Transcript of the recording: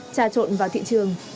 trà trộn vào thị trường